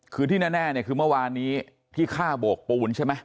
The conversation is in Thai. คือที่แน่เนี่ยคือเมื่อวานนี้ที่ฆ่าโบกปูนใช่ไหม